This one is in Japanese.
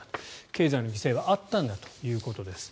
経済の犠牲はあったんだということです。